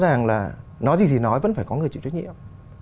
rõ ràng là nói gì thì nói vẫn phải có người chịu trách nhiệm